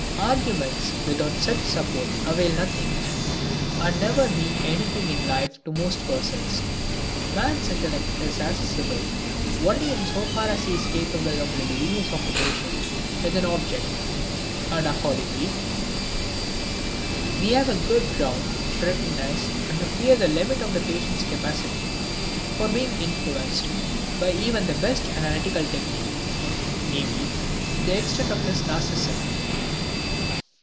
Arguments without such support avail nothing, and never mean anything in life to most persons. Man's intellect is accessible only in so far as he is capable of libidinous occupation with an object, and accordingly we have good ground to recognize and to fear the limit of the patient's capacity for being influenced by even the best analytical technique, namely, the extent of his narcism.